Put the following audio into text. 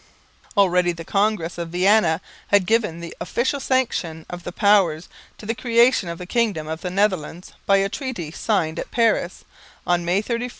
Already the Congress of Vienna had given the official sanction of the Powers to the creation of the kingdom of the Netherlands by a treaty signed at Paris on May 31, 1815.